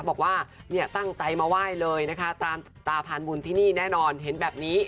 บอกว่าเนี่ยตั้งใจมาไหว้เลยนะคะตามตาพานบุญที่นี่แน่นอนเห็นแบบนี้